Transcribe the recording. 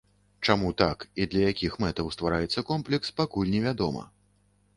Чаму так і для якіх мэтаў ствараецца комплекс, пакуль невядома.